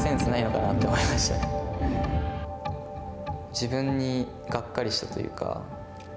自分にがっかりしたというか。